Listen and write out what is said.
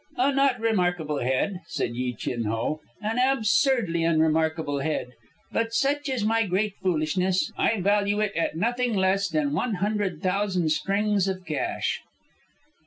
"A not remarkable head," said Yi Chin Ho. "An absurdly unremarkable head; but, such is my great foolishness, I value it at nothing less than one hundred thousand strings of cash."